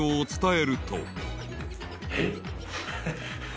えっ？